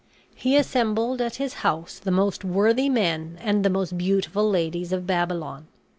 He assembled at his house the most worthy men and the most beautiful ladies of Babylon.